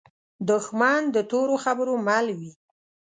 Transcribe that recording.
دښمن د تورو خبرو مل وي